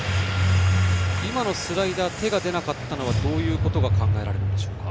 今のスライダーに手が出なかったのはどういうことが考えられるんでしょうか。